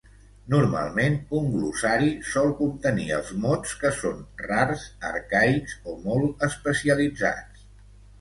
Normalment, un glossari sol contenir els mots que són rars, arcaics, o molt especialitzats.